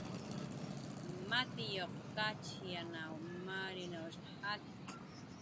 Matiyuq Kachyanw Marinawshq jakki